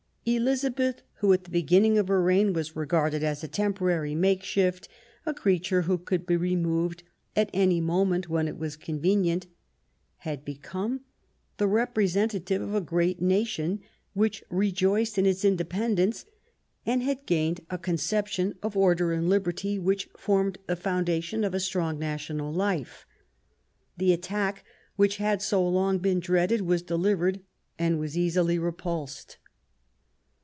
Elizabeth, who at the beginning of her reign was regarded as a temporary makeshift, a creature who could be re moved at any moment when it was convenient, had become the representative of a great nation, which rejoiced in its independence, and had gained a con ception of order and liberty which formed the founda tion of a strong national life. The attack, which had so long been dreaded, was delivered and was easily repulsed.